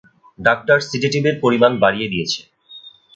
Doctor সিডেটিভের পরিমাণ বাড়িয়ে দিয়েছে।